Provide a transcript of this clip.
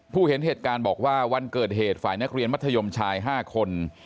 เห็นเหตุการณ์บอกว่าวันเกิดเหตุฝ่ายนักเรียนมัธยมชาย๕คน